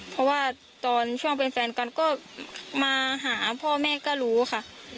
เพราะว่าตอนช่วงเป็นแฟนกันก็มาหาพ่อแม่ก็รู้ค่ะ